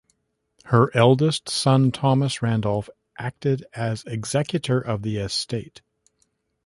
Her eldest son Thomas Randolph acted as executor of the estate.